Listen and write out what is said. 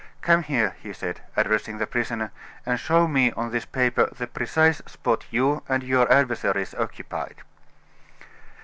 "Come here," he said, addressing the prisoner, "and show me on this paper the precise spot you and your adversaries occupied."